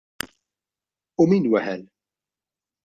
U min weħel?